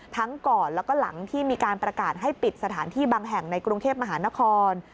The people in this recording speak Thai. ก่อนแล้วก็หลังที่มีการประกาศให้ปิดสถานที่บางแห่งในกรุงเทพมหานคร